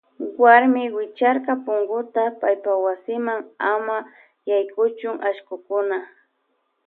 Wuarmi wicharka punkuta paypa wasima ama yaykuchun allkukuna.